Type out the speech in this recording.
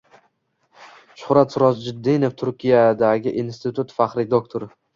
Shuhrat Sirojiddinov Turkiyadagi institut faxriy doktori